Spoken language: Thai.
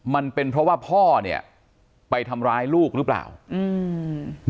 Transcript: มันเป็นเพราะว่าพ่อเนี้ยไปทำร้ายลูกหรือเปล่าอืม